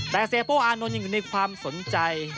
แต่เสียโป้อานนท์ยังอยู่ในความสนใจ